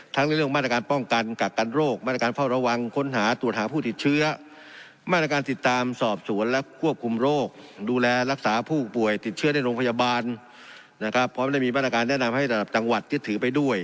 ทั้งในเรื่องมาตรการป้องกันกากกันโรคมาตรการพร่อระวังค้นหาตรวจหาผู้ติดเชื้อ